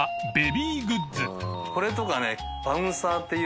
これとかね川島）